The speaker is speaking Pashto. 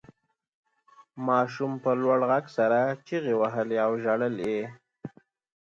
ماشوم په لوړ غږ سره چیغې وهلې او ژړل یې.